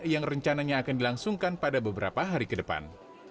yang rencananya akan dilangsungkan pada beberapa hari ke depan